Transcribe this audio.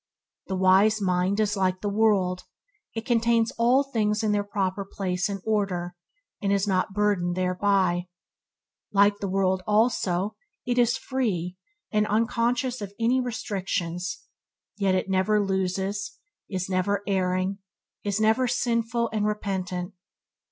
The wise mind is like the world, it contains all things in their proper place and order, and is not burdened thereby. Like the world also, it is free, and unconscious of any restrictions; yet it is never loose, never erring, never sinful and repentant.